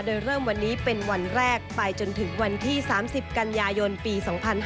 โดยเริ่มวันนี้เป็นวันแรกไปจนถึงวันที่๓๐กันยายนปี๒๕๕๙